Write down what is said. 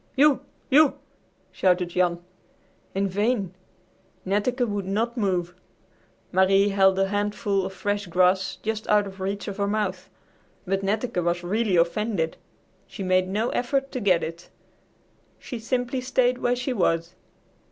"U U!" shouted Jan. In vain! Netteke would not move. Marie held a handful of fresh grass just out of reach of her mouth. But Netteke was really offended. She made no effort to get it. She simply stayed where she was.